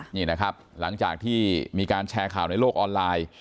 นี่นะครับหลังจากที่มีการแชร์ข่าวในโลกออนไลน์